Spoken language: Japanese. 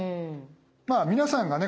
まあ皆さんがね